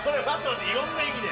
いろんな意味で。